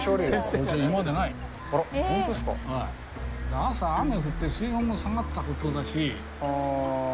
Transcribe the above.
朝、雨降って水温も下がったことだし。